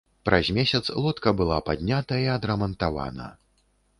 Праз месяц лодка была паднята і адрамантавана.